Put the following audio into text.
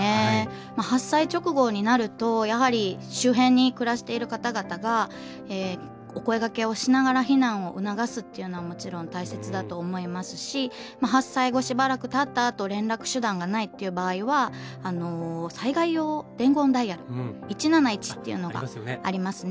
まあ発災直後になるとやはり周辺に暮らしている方々がお声がけをしながら避難を促すっていうのはもちろん大切だと思いますしまあ発災後しばらくたったあと連絡手段がないっていう場合はあの災害用伝言ダイヤル１７１っていうのがありますね。